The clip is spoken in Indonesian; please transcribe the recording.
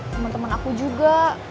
temen temen aku juga